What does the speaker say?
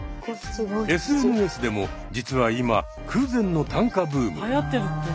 ＳＮＳでも実は今空前の短歌ブーム。